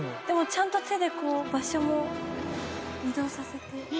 でもちゃんと手でこう場所も移動させて。